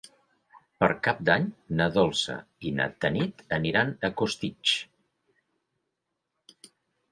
Per Cap d'Any na Dolça i na Tanit aniran a Costitx.